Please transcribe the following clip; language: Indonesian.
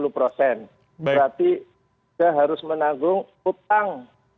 berarti kita harus menanggung utang